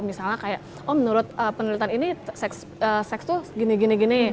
misalnya kayak oh menurut penelitian ini seks tuh gini gini